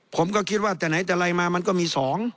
ผมก็คิดว่าแต่ไหนแต่ไรมามันก็มี๒